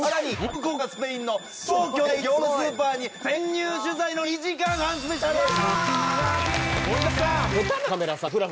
更に美食国家スペインの超巨大業務スーパーに潜入取材の２時間半スペシャルです！